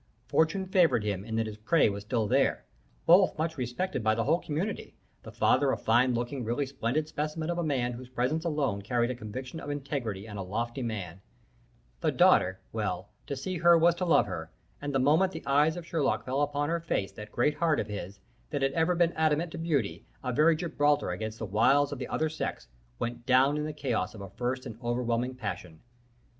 Fortune favored him in that his prey was still there both much respected by the whole community; the father a fine looking, really splendid specimen of a man whose presence alone carried a conviction of integrity and a lofty man; the daughter well, to see her was to love her, and the moment the eyes of Sherlock fell upon her face that great heart of his, that had ever been adamant to beauty, a very Gibraltar against the wiles of the other sex, went down in the chaos of a first and overwhelming passion.